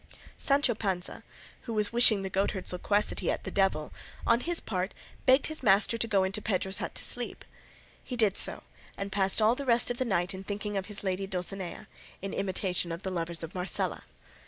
Sancho Panza, who was wishing the goatherd's loquacity at the devil, on his part begged his master to go into Pedro's hut to sleep. He did so, and passed all the rest of the night in thinking of his lady Dulcinea, in imitation of the lovers of Marcela.